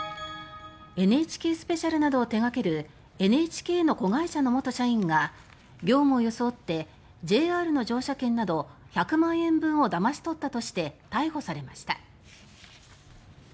「ＮＨＫスペシャル」などを手掛けるＮＨＫの子会社の元社員が業務を装ってＪＲの乗車券など１００万円分をだまし取ったとして逮捕されました。